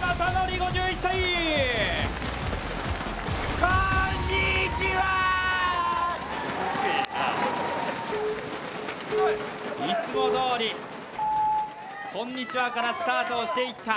５１歳！いつもどおり、こんにちはからスタートをしていった。